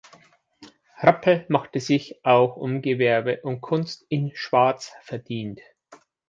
Rappel machte sich auch um Gewerbe und Kunst in Schwaz verdient.